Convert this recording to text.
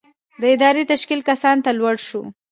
د ادارې تشکیل کسانو ته لوړ شو.